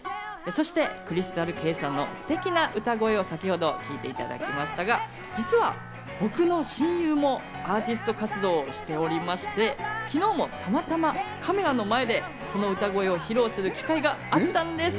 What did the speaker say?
そしてＣｒｙｓｔａｌＫａｙさんのステキな歌声を先ほど聴いていただきましたが、実は僕の親友もアーティスト活動をしておりまして、昨日もたまたまカメラの前でその歌声を披露する機会があったんです。